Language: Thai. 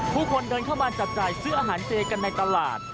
ผู้คนเดินเข้ามาจับจ่ายซื้ออาหารเจกันในตลาด